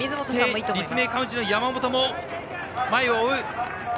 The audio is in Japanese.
立命館宇治の山本も前を追う。